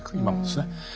今もですね。